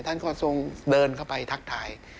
ท่านก็ทรงเดินเข้าไปทักทาย